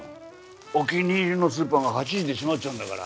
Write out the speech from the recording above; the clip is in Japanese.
お気に入りのスーパーが８時で閉まっちゃうんだから。